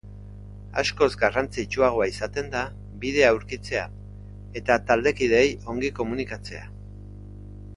Askoz garrantzitsuagoa izaten da bidea aurkitzea eta taldekideei ongi komunikatzea.